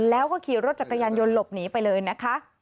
แล้วก็ขี่รถจักรยานยนต์หลบหนีไปเลยนะคะ